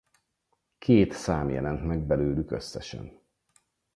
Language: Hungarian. Két szám jelent meg belőlük összesen.